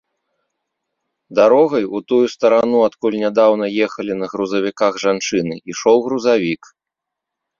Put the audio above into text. Дарогай, у тую старану, адкуль нядаўна ехалі на грузавіках жанчыны, ішоў грузавік.